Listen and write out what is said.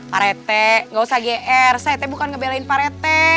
pak rt gak usah gr saya bukan ngebelain pak rt